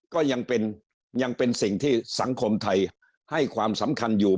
ก็ยังเป็นสิ่งที่สังคมไทยให้ความสำคัญอยู่